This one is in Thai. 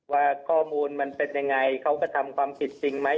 ว่าข้อมูลมันเป็นยังไงเขาก็ทำความผิดจริงไหม